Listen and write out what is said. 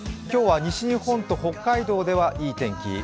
今日は西日本と北海道ではいい天気。